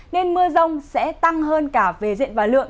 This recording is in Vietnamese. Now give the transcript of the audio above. nên mưa rông sẽ tăng hơn cả về diện và lượng